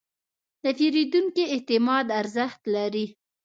د پیرودونکي اعتماد ارزښت لري.